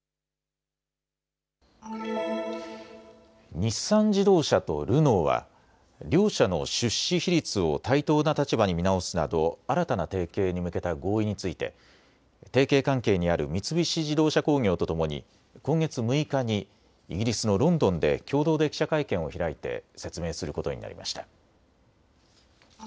日産自動車とルノーは両社の出資比率を対等な立場に見直すなど新たな提携に向けた合意について提携関係にある三菱自動車工業とともに今月６日にイギリスのロンドンで共同で記者会見を開いて説明することになりました。